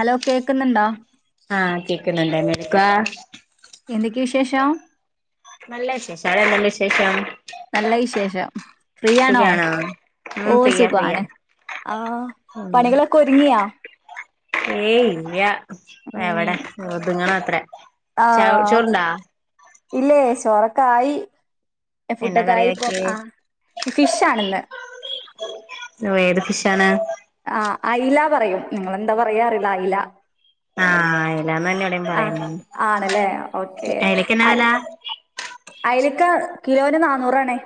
Hello കേക്കുന്നുണ്ടോ? ആഹ് കേൾക്കുന്നുണ്ട് എന്തെടുക്കുവാ എന്തൊക്കെ വിശേഷം. നല്ല വിശേഷം അവിടെ എന്തുണ്ട് വിശേഷം. നല്ല വിശേഷം. ഫ്രീയാണോ സുഖാണോ ഉം ഓ ഫ്രീയാ ഫ്രീയാ സുഖാണ് ആഹ് ഉം പണികളൊക്കെ ഒരുങ്ങിയോ ഏയ് ഇല്ല എവിടെ ഒതുങ്ങണത്രേ ച ആഹ് ചോറുണ്ടാ ഇല്ലേ ചോറൊക്കെ ആയി. എന്നാ ഫുഡൊക്കെ ആയിപ്പോ കറിയാക്കിയേ ആഹ് ഫിഷാണിന്ന്. ഓ ഏത് ഫിഷാണ്. ആഹ് അയില പറയും നിങ്ങളെന്താ പറയാ അറിയില്ല അയില. ആഹ് അയലാന്ന് തന്നെ ഇവിടെയും ആഹ് പറയുന്നെ ആണല്ലേ ഓക്കെ അയലക്കെന്നാ ആഹ് വെല അയലക്ക് കിലോന് നാന്നൂറാണ്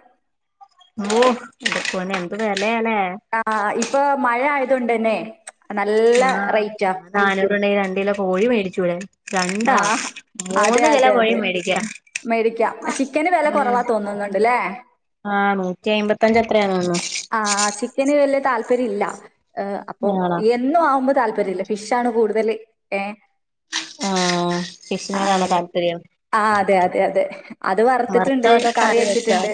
ഓ എന്റെ പൊന്നോ എന്ത് വിലയാല്ലേ. ആഹ് ഇപ്പൊ മഴ ആയതോണ്ടന്നെ. ആഹ് ആ നാനൂറുണ്ടെങ്കിൽ രണ്ടു കിലോ കോഴി മേടിച്ചൂടെ. രണ്ടാ ആ അതെ മൂന്ന് കിലോ അതെ കോഴി അതെ മേടിക്കാം മേടിക്കാം ചിക്കന് വില ഉം കുറവാ തോന്നുന്നുണ്ടല്ലേ. ആഹ് നൂറ്റി അയിമ്പത്തഞ്ച് അത്രയാന്ന് തോന്നുന്നു. ആഹ് ചിക്കന് വലിയ താല്പര്യം ഇല്ല ഏഹ് അപ്പൊ. ആണോ എന്നും ആവുമ്പോ താല്പര്യം ഇല്ല ഫിഷ് ആണ് കൂടുതല് ഏഹ് ആഹ് ആഹ് ഫിഷിനോടാണോ അങ്ങനെയൊക്കെ. താല്പര്യം. ആഹ് അതെ അതെ അതെ. അത് വറുത്തിട്ടുണ്ട് വറുത്തതൊക്കെ കറി വെച്ചോ വെച്ചിട്ടുണ്ട്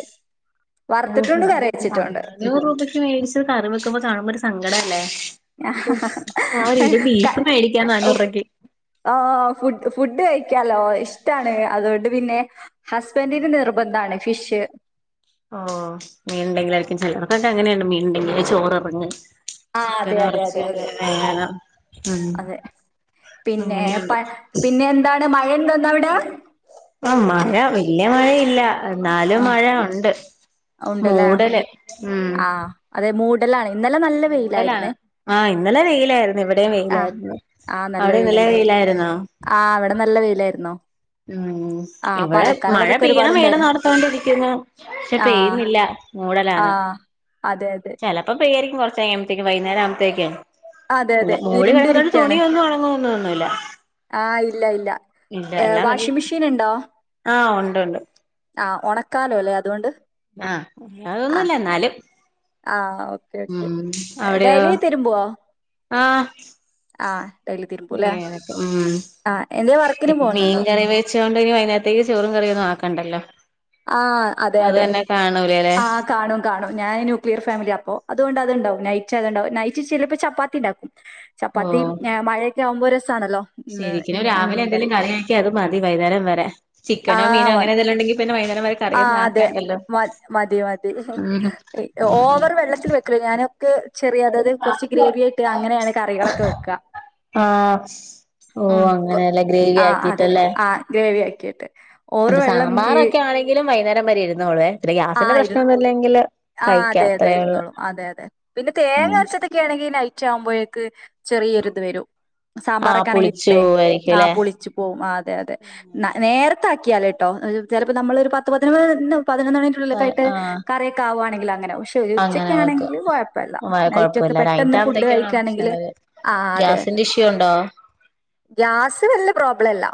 വറുത്തിട്ടും ഉണ്ട് കറി വെച്ചിട്ടും ഉണ്ട്. നൂറ് രൂപയ്ക്ക് വേടിച്ച് കറി വെക്കുമ്പോ കാണുമ്പോരു സങ്കടാല്ലേ. ഉം ആഹ് ഒരിലോ ക ബീഫ് മേടിക്കാം നാന്നൂറ് ഉഫ് രൂപക്ക്. ആഹ് ഫുഡ് ഫുഡ് കഴിക്കാലോ ഇഷ്ട്ടാണ് അതോണ്ട് പിന്നെ. ഹസ്ബെൻ്റിന് നിർബന്ധാണ് ഫിഷ്. ഓഹ് മീൻണ്ടെങ്കിലായിരിക്കും ചെലോർക്കൊക്കങ്ങനെണ് മീൻണ്ടെങ്കിലെ ചോറെറങ്ങ. ആഹ് അതെ ചിക്കാനോ അതെ അതെ എറച്ചിയോ അതെ. എന്തെങ്കിം വേണം. ഉം അതെ പിന്നെ അങ്ങനെയുണ്ട് പ പിന്നെ എന്താണ് മഴ ണ്ടോ ഇന്നവടെ ആഹ് മഴ വെല്യ മഴയില്ല എന്നാലും മഴ ഉണ്ട്. ഉണ്ടല്ലേ മൂടല് ഉം. ആഹ് അതെ മൂടലാണ് ഇന്നലെ നല്ല മൂടലാ വെയിലായിര്ന്നേ. ആഹ് ഇന്നലെ വെയിലായിരുന്നു ഇവിടെയും ആഹ് വെയിലായിരുന്നു ആഹ് നല്ല അവിടെ ഇന്നലെ വെയിലുണ്ടായിര് വെയിലായിരുന്നോ ആഹ് അവടെ നല്ല വെയിലായിര്ന്നോ? ഉം ഇവടെ മഴ പെയ്യണം പെയ്യണം ഒരുപാടുണ്ടായിരുന്നു ന്നാർത്തൊണ്ടിരിക്കുന്നു. പക്ഷെ ആഹ് പെയ്യ്ന്നില്ല മൂടലാന്ന്. ആഹ് അതെ യതെ. ചെലപ്പോ പെയ്യായിരിക്കും കൊർച്ചഴ്ഞ്ഞപ്പഴ്ത്തേക്കും വൈന്നേരാവുമ്പഴ്ത്തേക്കും. അതെ അല്ല അതെ മൂഴി കെടക്കുന്നോണ്ട് ഇരുണ്ടിരിക്കയാണ് തുണിയൊന്നൊണങ്ങുന്നൊന്നുല്ല. ആന് ഇല്ല ഇല്ല ഏഹ് തുണിയും വാഷിംഗ് മെഷീന്ണ്ടോ? ആഹ് ഉണ്ട് ഉണ്ട് ആഹ് ഒണക്കാലോ ല്ലെ അത്കൊണ്ട് ആഹ് അതൊന്നുല്ല എന്നാലും. ആഹ് ഓക്കെ ഓക്കെ ഉം അവിടെയോ ഡെയ്ലി തിര്മ്പോ? ആഹ് ആഹ് ഡെയ്ലി തിര് ഏഹ് ഉം ആഹ് എന്തെ വർ [unintelligible] മീൻ കറി വെച്ചോണ്ടിനി വൈന്നാര്ത്തേക്ക് ചോറും കറിയൊന്നാക്കണ്ടല്ലോ ആഹ് അതെ അതെ അതെന്നെ കാണൂലെലേ ആഹ് കാണും കാണും ഞാൻ നുക്ലീർ ഫാമില്യാ അപ്പോ അത്കൊണ്ട് അത് ണ്ടാവും നൈറ്റ് അത്ണ്ടാവും നൈറ്റ് ചിലപ്പൊ ചപ്പാത്തി ണ്ടാക്കും. ചപ്പാത്തി എഹ് മഴെക്കാവുമ്പോ രസാണല്ലോ. ഉം ശെരിക്ക്നും ഉം, രാവിലെ ന്തേലും മീൻകറി കറി [unintelligible] ക്ക്യത് മതി വൈന്നാരം വെരെ ചിക്കനോ ആഹ് മീനോ മതി അങ്ങനെതേലു ണ്ടെങ്കി പിന്നെ വൈന്നാരം വരേ ആഹ് തെ മ മതി മതി ഉം ഇ ഒ ഓവർ വെള്ളത്തില് വെക്കുല ഞാന് ക്ക് ചെറിയ അതാത് കൊർച്ച് ഗ്രേവ്യായിട്ട് അങ്ങനെയാണ് കറികളൊക്കെ വെക്ക. ആഹ് ഓഹ് അങ്ങനെല്ലെ ഗ്രേവിയാക്കിട്ടല്ലേ ഗ്രേവ്യാക്കിട്ട് ഓവറ് വെള്ളം ൻക്കി ങ്കിലും വൈന്നാരം വരേ ഇര്ന്നോള്ള്വേ പിന്നെ ഗ്യാസിന്റെ ആഹ് ഇരു പ്രശ്നൊന്നുല്ലെങ്കില് ആഹ് കഴിക്കാ അതെ അതെ അത്രേ ഒള്ളൂ. ഉം ഇക്ക്യാണെങ്കി നൈറ്റാവുമ്പോഴേക്ക് ചെറിയൊരിത് വെരും ആഹ് സാമ്പാറൊക്കെണെങ്കി പുളിച്ചു ടെ ആഹ് പോവായിരിക്കുംല്ലേ പുളിച്ചും. പോവും ആഹ് അതെ യതെ ന്ന നേരത്താക്ക്യാല് ട്ടോ അഹ് ചെലപ്പൊ നമ്മളൊര് പത്ത് പതിനൊന്ന് ന്ന് പതിനൊന്നണിൻ്റെ ഉള്ളിലൊക്കായിട്ട് ആഹ് കറി ക്കാവാണെങ്കില് അങ്ങനെ ഉഷ് [unintelligible] അങ്ങനെ വെക്കും ഉച്ചക്ക്യാണെങ്കില് കൊഴപ്പല്ല നൈറ്റൊക്കെ കൊഴപ്പല്ല നൈറ്റ് പെട്ടെന്ന് ഫുഡ് ആകുമ്പത്തേക്കാണ് പ്രശ്നം കഴിക്കാണെങ്കില് വരാ ഗ്യാസിന്റെ ഇഷ്യൂ ണ്ടോ? ഗ്യാസ് വെല്ല പ്രോബ്ലല്ല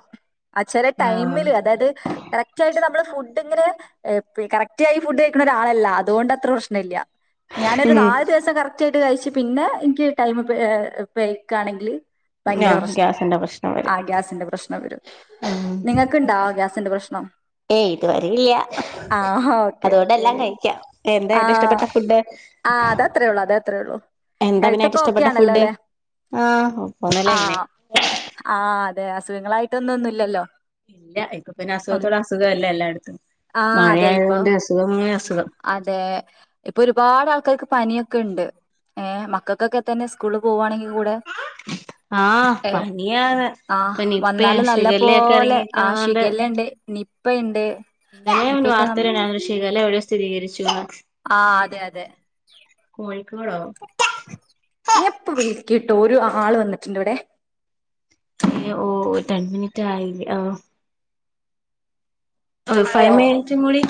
അഹ് ചെലേ ആഹ് ടൈമില് അതായത് കറക്റ്റായിട്ട് നമ്മള് ഫുഡ് ങ്ങനെ ഏഹ് പി കറ റ്റായി ഫുഡ് കഴിക്ക്ണ ഒരാളല്ല അതോണ്ട് അത്ര പ്രശ്ന ഇല്ല ഞാനൊരു ഉം ന്നാല് ദിവസം കറ ക്റ്റട്ട് കഴിച്ച് പിന്നെ ഇൻക്ക് ടൈമ് ഏഹ് പെയ്ക്കാണെങ്കില് ഭയങ്കര ആഹ് പ്രശ് ഗ്യാസിന്റെ പ്രശ്നം വരും ആ ഗ്യാസിന്റെ പ്രശ്നം വെരും ഉം നിങ്ങക് ക്ക്ണ്ടാ ഗ്യസിന്റ പ്രശ്നം ഏയ് ഇതുവരേയില്ല ആഹ് ഓക്കെ അതോണ്ട് ഓക്കെ എല്ലാം കഴിക്കാം എന്താ ഏറ്റം ആഹ് ഇഷ്ടപ്പെട്ട ഫുഡ്? ആഹ് അതത്രേ ഉള്ളൂ അതത്രേ ഉള്ളൂ എന്താ പിന്നെ ഹെൽത്ത് ഒക്കെ ഏറ്റം ഓക്കെ ഇഷ്ടപ്പെട്ട ആണല്ലോ ഫുഡ് അല്ലെ ആഹ് ഫോണ്ലെന്നേ ആഹ് ആഹ് അതേ അസുഖങ്ങളായിട്ടൊന്നും ഒന്നുംല്ലല്ലോ? ഇല്ല ഇപ്പം പിന്നെ അസുഖത്തോടെ അസുഖല്ലേ എല്ലാട്ത്തും മഴയായതോണ്ട് അസുഖമേ അസുഖം അതേ ഇപ്പം ഒരുപാട് ആൾക്കാർക്ക് പനിയൊക്കെ ഇണ്ട് ഏഹ് മക്കക്കൊക്കെ തന്നെ സ്കൂൾള് പോവാണെങ്കിൽ കൂടെ ആഹ് ഏഹ് പനിയാണ് ഇപ്പ ആഹ് നിപ്പേം വന്നാല് നല്ല ശിഗല്ലെ ഒക്കെ എറങ്ങിയിരിക്ക്ണതുകൊണ്ട് പ്പ ഇണ്ട് ഇന്നലേ ഉണ്ട് വാർത്തേല് [unintelligible] ശിഖല്ല എവടെയോ സ്ഥിരീകരിച്ചുന്ന് [unintelligible] ആഹ് അതെ അതേ കോഴിക്കോടോ ഞാപ്പം വിളിക്കട്ടോ ഒരു ആള് വന്നിട്ടിണ്ട് ഇവടെ ഓഹ് ടെൻ മിനിറ്റായിലെ ആഹ് [unintelligible] മേടിക്കും പോലെ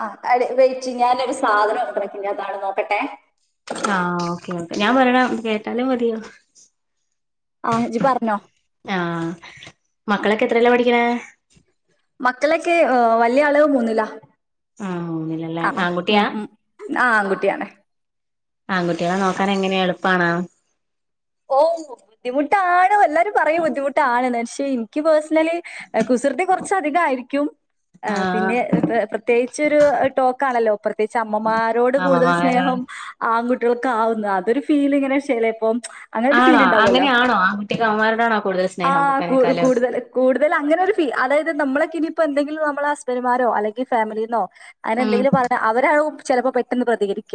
ആഹ് അടെ വെയിറ്റ് ഞാനൊരു സാധനം [unintelligible] നോക്കട്ടേ ആഹ് ഓക്കെ ഓക്കെ ഞാൻ പറയ്ണെ കേട്ടാലും മതിയോ ആ ഇജ്ജ് പറഞ്ഞോ ആഹ് മക്കളൊക്കെ എത്രലാ പഠിക്ക്ണേ മക്കളൊക്കേ ഓഹ് വല്ല്യ ആള് മൂന്നിലാ ആഹ് മൂന്നില് ലേ ആങ്കുട്ടിയാ ആഹ് ആങ്കുട്ടി ആണ് ആങ്കുട്ട്യാളെ നോക്കാൻ എങ്ങനെ എളുപ്പാണോ? ഓഹ് ബുദ്ധിമുട്ടാണ് എല്ലാരും പറയും ബുദ്ധിമുട്ടാണ് പക്ഷേ ഇൻക്ക് പേഴ്സണലി കുസൃതി കൊറച്ച് അധിക ആയിരിക്കും ആഹ് പിന്നെ പ്ര പ്രത്യേകിച്ചൊരു ടോക്കാണല്ലോ പ്രത്യേകിച്ച് അമ്മമാരോട് കൂടുതൽ അമ്മമാരോട് സ്നേഹം. ആൺകുട്ടികൾക്കാവുന്ന് അതൊരു ഫീല് ഇങ്ങനെ ചെലേപ്പം. അങ്ങനൊരു ആണോ ഫീൽ ഇണ്ടാവോല്ലോ അങ്ങനെയാണോ ആൺകുട്ടിക്ക് അമ്മമാരോടാണോ കൂടുതൽ സ്നേഹം ആഹ് കൂടു പൂപ്പനേക്കാലും കൂടുതൽ. കൂടുതൽ അങ്ങനെ ഒരു ഫീ അതായത് നമ്മളൊെക്കെ ഇനിയിപ്പോ എന്തെങ്കിലും നമ്മളെ ഹസ്ബൻഡുമാരോ അല്ലെങ്കി ഫാമിലിന്നോ? ഉം അങ്ങനെന്തെങ്കിലും പറയാ അവരാവും ചെലപ്പോ പെട്ടെന്ന് പ്രതികരിക്ക.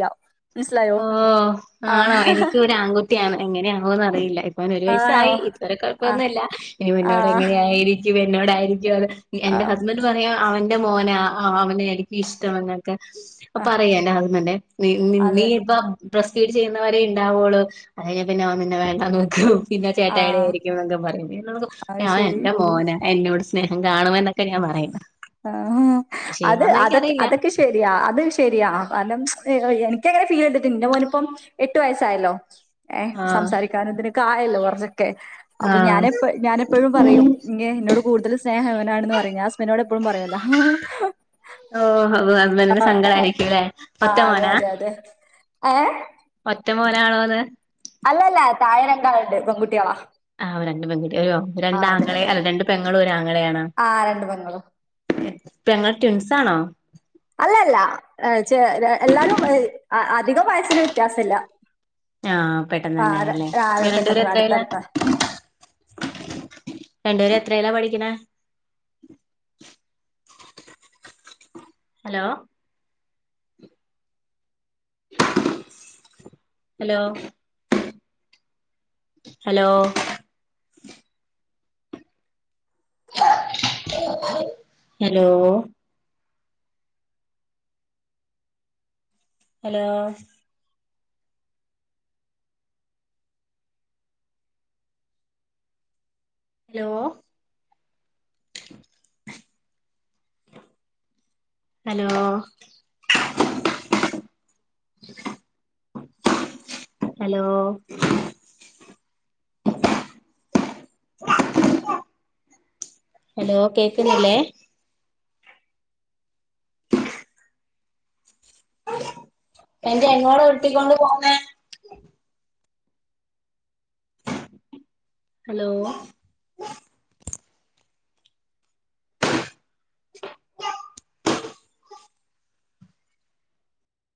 മനസ്സിലായോ? ഓഹ് ആണോ ആഹ് എനിക്ക് ഒരു ആങ്കു ട്ടിയാണ് എങ്ങനെ ആകോന്നറിയില്ല ഇപ്പ അവന് ഒരു ആണോ? വയസായി ഇതുവരെ ആഹ് കുഴപ്പൊന്നുല്ല ഇനി മുന്നോട് ആഹ് എങ്ങനെയായിരി എന്നോടായിരിക്കോന്ന് എന്റെ ഹസ്ബൻഡ് പറയാ അവന്റെ മോനെ അവനെ ആയിരിക്കും ഇഷ്ടം [unintelligible] ക്കെ അപ്പ ആഹ് പറയാ [unintelligible] നീ നീ അതെ ഇപ്പ ബ്രസ്റ്റ് ഫീഡ് ചെയ്യുന്നവരെ ഉണ്ടാവുള്ളൂ അത് കഴിഞ്ഞ പിന്നെ അവൻ നിന്നെ വേണ്ടാന്ന് വെക്കു. പിന്ന ചേട്ടായിടെ ആഹ് ആയിരിക്കും എന്നൊക്കെ പറയും [unintelligible] അത് ഞാൻ ശരി. എന്റെ മോന എന്നോട്. സ്നേഹം കാണുവെന്നൊക്കെ ഞാൻ പറയും. ആഹ് അത് ശരിയാവോന്ന് അതൊക്കെ എനിക്കറിയില്ല അതൊക്കെ ഇഷ് ശരിയാ അതും ശരിയാ ആഹ് കാരണം ഏഹ് എനക്കങ്ങനെ ഫീല് ചെയ്ത്ട്ട്ണ്ട് ഇന്റെ മോനിപ്പം. എട്ടു വയസ്സായല്ലോ ഏഹ് ആഹ് സംസാരിക്കാനു ഇതിനൊക്കെ ആയല്ലോ കൊറച്ചൊക്കെ. അപ്പൊ ആഹ് ഞാനെപ്പ ഞാനെപ്പഴും പറയും എന്നോട് കൂടുതൽ സ്നേഹം ഇവനാണെന്ന് പറയും ഞാൻ ഹസ്ബൻഡിനോട് എ എപ്പളും പറയില്ല ഓ ഹസ്ബന്റിന് സങ്കടം ആയിരിക്കൂല്ലേ ഒറ്റെ മോനാ [unintelligible] ഏയെ ഒറ്റ മോനാണോന്ന്? അല്ലല്ല താഴെ രണ്ടാളുണ്ട് പെൺകുട്ടിയാളാ. ആ രണ്ട് പെൺകുട്ടി രണ്ടാങ്ങളെ അതെ അല്ല രണ്ട് പെങ്ങളും ഒരാങ്ങളെയാണോ ആഹ് രണ്ട് പെങ്ങളും പെങ്ങൾ ട്വിൻസ് ആണോ അല്ല അല്ല ചെ എല്ലാരും അധികം വയസിന് വ്യത്യാസയില്ല. ആഹ് പെട്ടെന്ന് തന്നെ ആയി ഇല്ലേ ആഹ് ഇവര് രണ്ടുപേരും പെട്ടെന്ന് എത്രയിലാ അടുത്തടുത്ത രണ്ടുപേരും എത്രയില്ലാ പഠിക്ക്ണെ hello. Hello hello. Hello. Hello. Hello. [inaudible] Hello. Hello. [inaudible] Hello കേക്കുന്നില്ലേ? അത് എങ്ങോടാ ഉരുട്ടി കൊണ്ട് പോനെ ഹലോ. [inaudible]